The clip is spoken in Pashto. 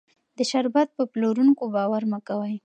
د شربت په پلورونکو باور مه کوئ.